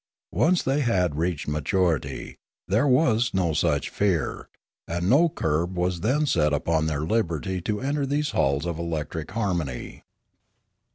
Once they had reached maturity, there was no such fear; and no curb was then set upon their liberty to enter these halls of electric harmony.